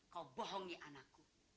kau bohongi anakku